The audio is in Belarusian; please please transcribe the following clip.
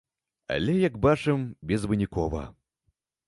Але, як бачым, безвынікова.